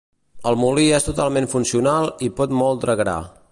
El molí és totalment funcional i pot moldre gra.